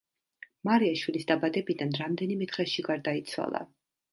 მარია შვილის დაბადებიდან რამდენიმე დღეში გარდაიცვალა.